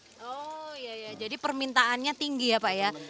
oh iya ya jadi permintaannya tinggi ya pak ya